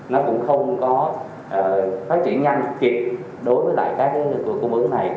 nó cũng không có phát triển nhanh kịp đối với lại các vừa cung ứng này